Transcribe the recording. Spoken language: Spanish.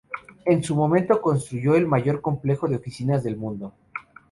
En su momento constituyó el mayor complejo de oficinas del mundo.